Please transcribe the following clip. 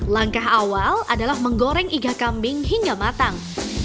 langkah awal adalah menggoreng iga kambing hingga matang